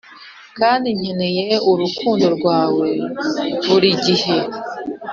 kandi nkeneye urukundo rwawe burigihe